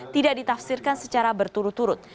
tidak ditafsirkan secara berturut turut